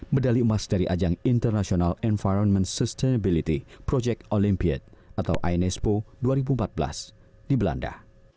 medali emas dari ajang international environment sustainability project olympiade atau inespo dua ribu empat belas di belanda